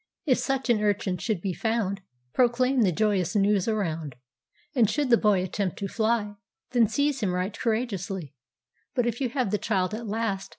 "If such an urchin should be found, Proclaim the joyous news around; And should the boy attempt to fly, Then seize him right courageously. But if you have the child at last.